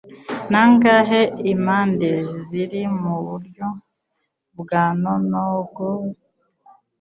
Nangahe Impande Ziri Muburyo bwa Nonogons